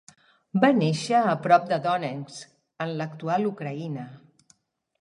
Va néixer a prop Donetsk en l'actual Ucraïna.